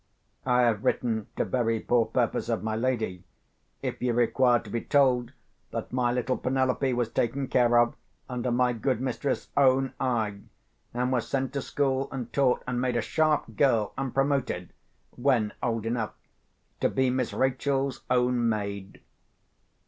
I have written to very poor purpose of my lady, if you require to be told that my little Penelope was taken care of, under my good mistress's own eye, and was sent to school and taught, and made a sharp girl, and promoted, when old enough, to be Miss Rachel's own maid.